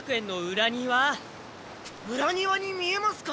裏庭に見えますか？